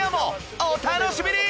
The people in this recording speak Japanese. お楽しみに！